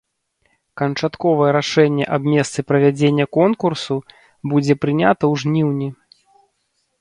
Канчатковае рашэнне аб месцы правядзення конкурсу будзе прынята ў жніўні.